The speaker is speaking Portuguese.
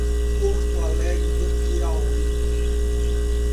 Porto Alegre do Piauí